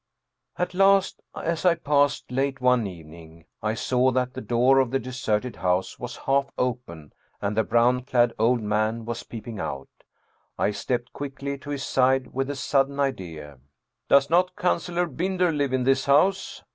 140 Ernest Theodor Amadeus Hoffmann At last as I passed, late one evening, I saw that the door of the deserted house was half open and the brown clad old man was peeping out. I stepped quickly to his side with a sudden idea. " Does not Councilor Binder live in this house?"